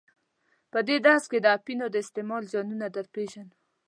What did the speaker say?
په دې درس کې د اپینو د استعمال زیانونه در پیژنو.